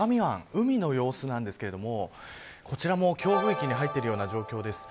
海の様子なんですけれどもこちらも強風域に入っているような状況です。